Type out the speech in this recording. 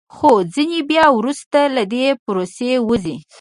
خو ځینې بیا وروسته له دې پروسې وځي